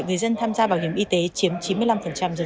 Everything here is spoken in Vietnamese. người dân tham gia bảo hiểm y tế chiếm chín mươi năm dân số